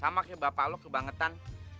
sama kayak bapak lo kebangetan